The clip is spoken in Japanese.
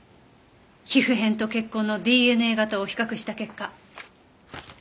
皮膚片と血痕のＤＮＡ型を比較した結果。